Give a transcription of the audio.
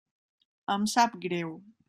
Em sap greu.